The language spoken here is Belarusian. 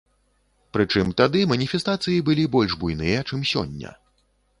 Прычым тады маніфестацыі былі больш буйныя, чым сёння.